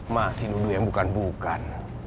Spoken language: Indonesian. masih dulu yang bukan bukan